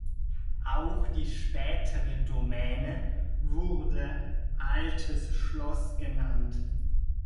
Auch die spätere Domäne wurde „Altes Schloss“ genannt.